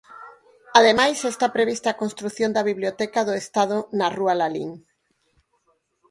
Ademais, está prevista a construción da Biblioteca do Estado na rúa Lalín.